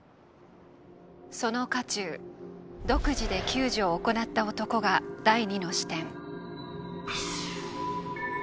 その渦中独自で救助を行った男が第２の視点。